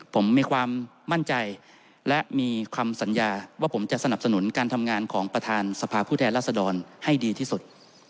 ผมมีความมั่นใจและมีคำสัญญาว่าผมจะสนับสนุนการทำงานของประธานสภาผู้แทนรัศดรให้ดีที่สุด